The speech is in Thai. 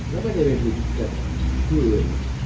แล้วไม่ได้เป็นผิดกับผู้อื่น